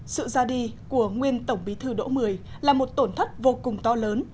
sự ra đi của nguyên tổng bí thư đỗ mười là một tổn thất vô cùng to lớn